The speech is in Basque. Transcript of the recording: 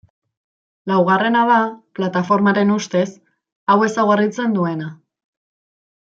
Laugarrena da, Plataformaren ustez, hau ezaugarritzen duena.